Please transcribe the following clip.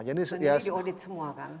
jadi di audit semua kan